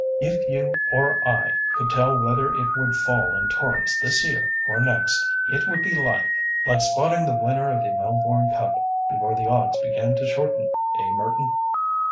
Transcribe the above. "If you or I could tell whether it would fall in torrents this year or next, it would be like— " "Like spotting the winner of the Melbourne Cup before the odds began to shorten—eh, Merton?